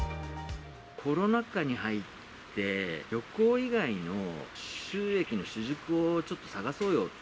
コロナ禍に入って、旅行以外の収益の主軸をちょっと探そうよと。